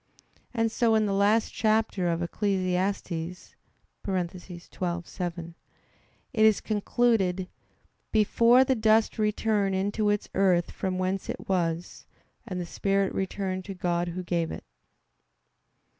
And so in the last chapter of Ecclesiastes (12:7) it is concluded: "(Before) the dust return into its earth from whence it was; and the spirit return to God Who gave it."